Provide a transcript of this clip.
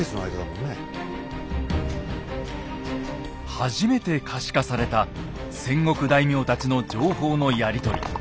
初めて可視化された戦国大名たちの情報のやり取り。